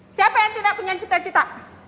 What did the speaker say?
siapa yang tidak punya cita cita